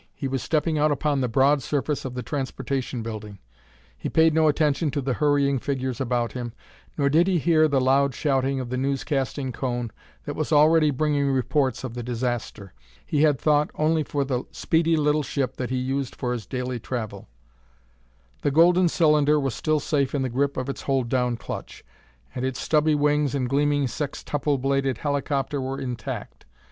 He was stepping out upon the broad surface of the Transportation Building. He paid no attention to the hurrying figures about him, nor did he hear the loud shouting of the newscasting cone that was already bringing reports of the disaster. He had thought only for the speedy little ship that he used for his daily travel. The golden cylinder was still safe in the grip of its hold down clutch, and its stubby wings and gleaming sextuple bladed helicopter were intact.